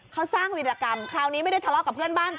เขาสร้างวีรกรรมคราวนี้ไม่ได้ทะเลาะกับเพื่อนบ้าน